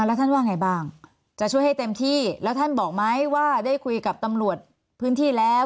แล้วท่านว่าไงบ้างจะช่วยให้เต็มที่แล้วท่านบอกไหมว่าได้คุยกับตำรวจพื้นที่แล้ว